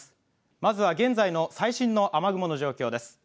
まずは現在の最新の雨雲の状況です。